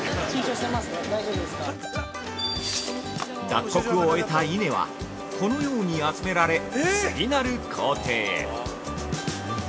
◆脱穀を終えた稲はこのように集められ次なる工程へ。